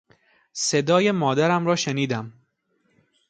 صدای مادرم را شنیدم.